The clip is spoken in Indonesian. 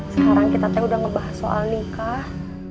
sekarang kita teh udah ngebahas soal nikah